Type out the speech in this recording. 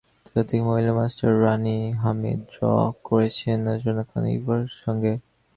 আন্তর্জাতিক মহিলা master Rani Hamid draw করেছেন নাজরানা খান ইভার সঙ্গে।